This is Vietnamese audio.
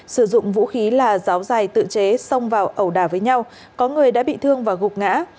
sử dụng vũ khí là giáo dài tự chế xông vào ẩu đà với nhau có người đã bị thương và gục ngã